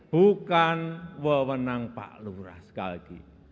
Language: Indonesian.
bukan wewenang pak lurah sekali lagi